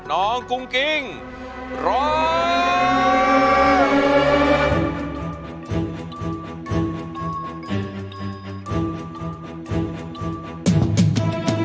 น้องกุ้งกิ้งร้อง